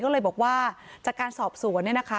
ก็เลยบอกว่าจากการสอบสวนเนี่ยนะคะ